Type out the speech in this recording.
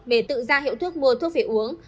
về tự ra hiệu thuốc mua thuốc về uống